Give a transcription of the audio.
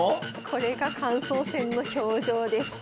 これが感想戦の表情です。